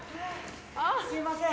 すいません。